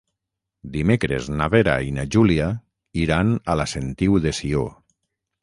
Dimecres na Vera i na Júlia iran a la Sentiu de Sió.